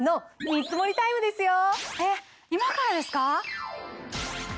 えっ今からですか？